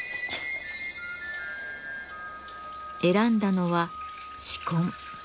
選んだのは紫根。